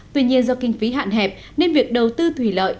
tuy nhiên do kinh phí hạn hẹp nên việc đầu tư thủy lợi